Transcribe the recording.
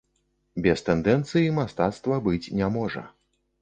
Без тэндэнцыі мастацтва быць не можа.